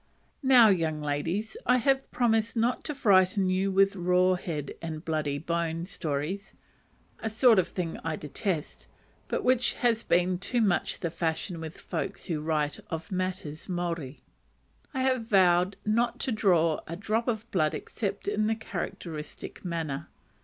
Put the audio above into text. Now, young ladies, I have promised not to frighten you with raw head and bloody bones stories; a sort of thing I detest, but which has been too much the fashion with folks who write of matters Maori. I have vowed not to draw a drop of blood except in a characteristic manner.